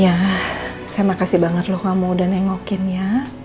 ya saya makasih banget loh kamu udah nengokin ya